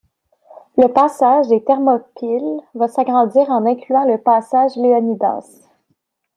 Le passage des Thermopyles va s'agrandir en incluant le passage Léonidas.